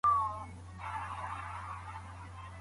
لوی منزل یوازي په لیاقت پوري نه سي تړل کېدلای.